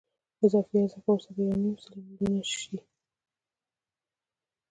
اضافي ارزښت به ورسره یو نیم سل میلیونه شي